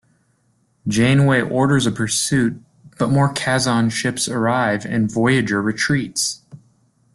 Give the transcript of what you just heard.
Janeway orders a pursuit, but more Kazon ships arrive and "Voyager" retreats.